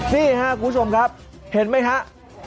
นี่ครับคุณผู้ชมครับเห็นไหมฮะ